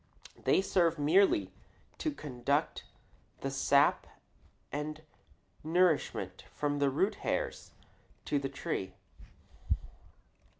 They serve merely to conduct the sap and nourishment from the root hairs to the tree.